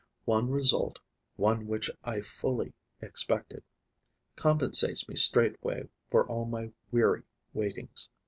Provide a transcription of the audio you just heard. One result, one which I fully expected, compensates me straightway for all my weary waitings.